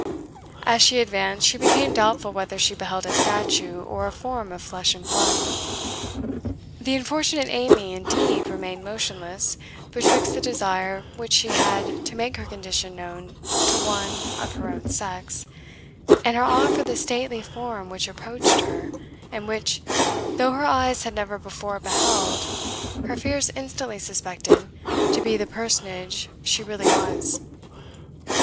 As she advanced, she became doubtful whether she beheld a statue, or a form of flesh and blood. The unfortunate Amy, indeed, remained motionless, betwixt the desire which she had to make her condition known to one of her own sex, and her awe for the stately form which approached her, and which, though her eyes had never before beheld, her fears instantly suspected to be the personage she really was.